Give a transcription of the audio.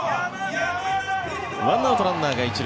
１アウト、ランナーが１塁。